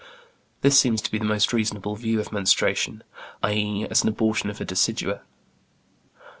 This seems to be the most reasonable view of menstruation; i.e., as an abortion of a decidua.